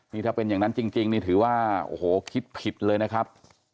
นี่ถ้าเป็นอย่างนั้นจริงนี่ถือว่าโอ้โหคิดผิดเลยนะครับ